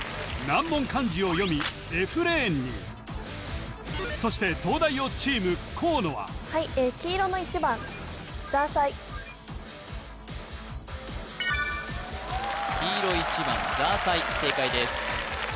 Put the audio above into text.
難問漢字を読みＦレーンにそして東大王チーム河野は黄色１番ザーサイ正解です